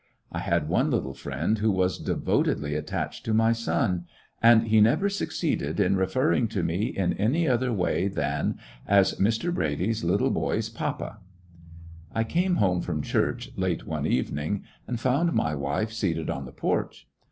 I had one little friend who was devot edly attached to my son, and he never suc 136 'lyiissionarY in t^e Great West ceeded in referring to me in any other way than as "Mr. Brady's little boy's papa." I came home from church late one evening, Said them to and found my wife seated on the porch.